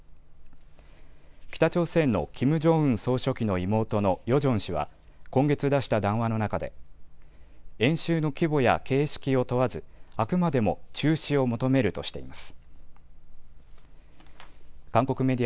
北朝鮮のキム・ジョンウン総書記の妹のヨジョン氏は今月出した談話の中で演習の規模や形式を問わずあくまでも中止を求めるとしています。